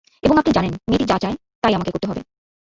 এবং আপনি জানেন মেয়েটি যা চায়, তাই আমাকে করতে হবে।